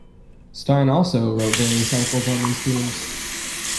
Stein also wrote various articles on these themes.